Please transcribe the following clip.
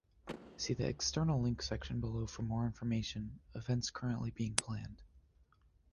See the "External Links" section below for more information events currently being planned.